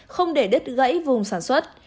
không để đứt gãy vùng sản xuất